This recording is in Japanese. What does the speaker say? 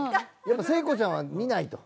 聖子ちゃんは見ないと。